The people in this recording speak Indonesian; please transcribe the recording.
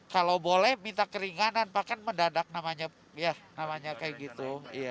kalau boleh minta keringanan pak kan mendadak namanya kayak gitu